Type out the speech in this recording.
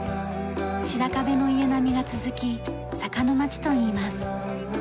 白壁の家並みが続き坂のまちといいます。